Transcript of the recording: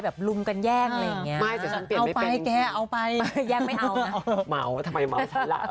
เผ่าแต่ไม่เผ่าใช่แล้ว